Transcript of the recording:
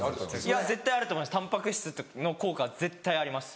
絶対あると思いますタンパク質の効果は絶対あります。